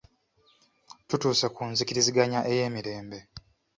Tutuuse ku nzikiriziganya ey'emirembe